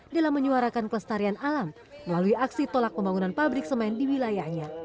dalam menyuarakan kelestarian alam melalui aksi tolak pembangunan pabrik semen di wilayahnya